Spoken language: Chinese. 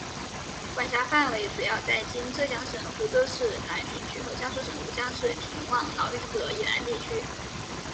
管辖范围主要在今浙江省湖州市南浔区和江苏省吴江市平望老运河以南地区。